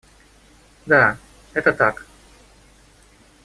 Да, это так.